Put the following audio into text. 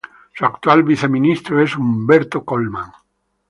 Su actual viceministro es Humberto Colman.